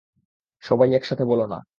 সবাই একসাথে বলো না।